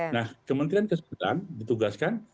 nah kementerian kesehatan ditugaskan